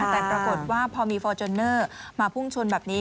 แต่ปรากฏว่าพอมีฟอร์จูเนอร์มาพุ่งชนแบบนี้